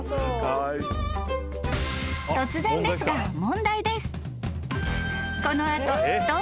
［突然ですが問題です］